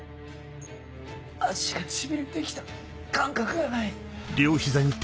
足がしびれてきた感覚がない。